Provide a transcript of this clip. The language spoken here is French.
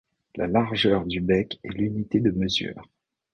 La largeur du bec est l’unité de mesure.